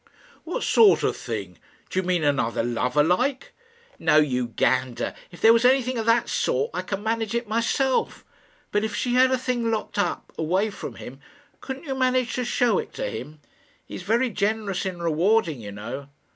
"What sort of thing? Do you mean another lover, like?" "No, you gander. If there was anything of that sort I could manage it myself. But if she had a thing locked up away from him, couldn't you manage to show it to him? He's very generous in rewarding, you know."